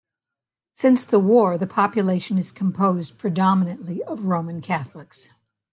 Since the war the population is composed predominantly of Roman Catholics.